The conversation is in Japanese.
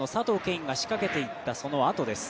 允が仕掛けていったそのあとです。